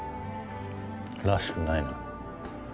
らしくないな。